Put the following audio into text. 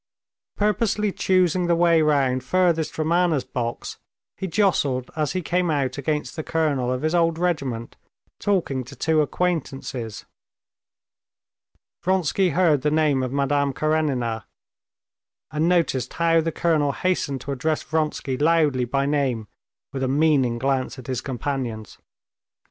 Purposely choosing the way round furthest from Anna's box, he jostled as he came out against the colonel of his old regiment talking to two acquaintances. Vronsky heard the name of Madame Karenina, and noticed how the colonel hastened to address Vronsky loudly by name, with a meaning glance at his companions.